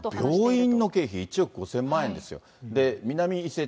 病院の経費、１億５０００万円ですよ。